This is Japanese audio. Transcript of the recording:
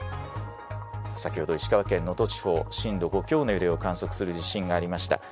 「先ほど石川県能登地方震度５強の揺れを観測する地震がありました。